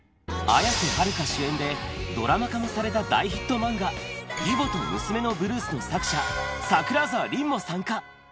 綾瀬はるか主演で、ドラマ化もされた大ヒット漫画、義母と娘のブルースの作者、桜沢鈴も参加。